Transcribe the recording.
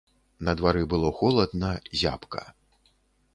На двары было холадна, зябка.